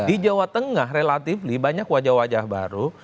di jawa tengah relatifly banyak wajah wajah baru